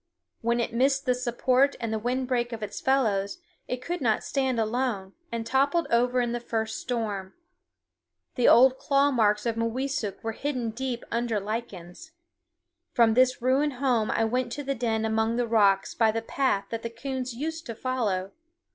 When it missed the support and the wind break of its fellows, it could not stand alone, and toppled over in the first storm. The old claw marks of Mooweesuk were hidden deep under lichens. From this ruined home I went to the den among the rocks by the path that the coons used to follow.